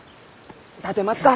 立てますか？